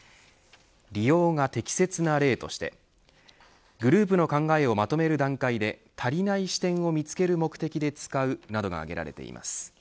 利用が適切な例としてグループの考えをまとめる段階で足りない視点を見つける目的で使うなどが挙げられています。